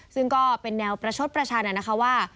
ซึ่งก็เป็นแนวประชดประชันนะคะว่า